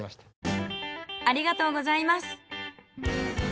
ありがとうございます。